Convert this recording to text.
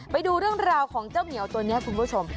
ไปดูเรื่องราวของเจ้าเหมียวตัวนี้คุณผู้ชม